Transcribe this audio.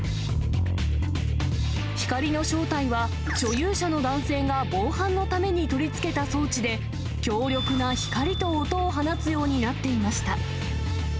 光の正体は、所有者の男性が防犯のために取り付けた装置で、強力な光と音を放つようになっていました。